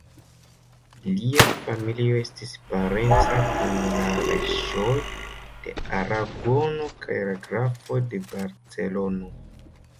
Lia familio estis parenca kun la reĝoj de Aragono kaj la grafoj de Barcelono.